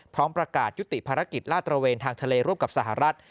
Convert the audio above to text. ประกาศยุติภารกิจลาดตระเวนทางทะเลร่วมกับสหรัฐ